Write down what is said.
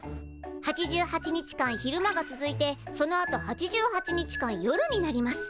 ８８日間昼間が続いてそのあと８８日間夜になります。